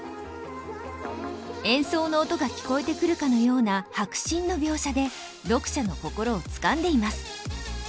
演奏の音が聴こえてくるかのような迫真の描写で読者の心をつかんでいます。